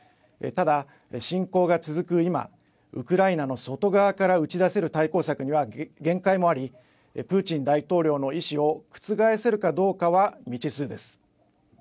ただ、侵攻が続く今ウクライナの外側から打ち出せる対抗策には限界もありプーチン大統領の意志を覆せるかどうかは未知数です。